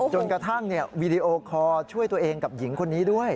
จนกระทั่งวีดีโอคอร์ช่วยตัวเองกับหญิงคนนี้ด้วย